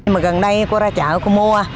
mà gần đây cô ra chợ cô mua